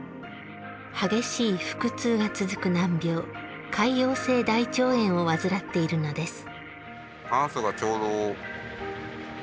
激しい腹痛が続く難病潰瘍性大腸炎を患っているのです。